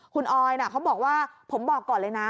คุณออยเขาบอกว่าผมบอกก่อนเลยนะ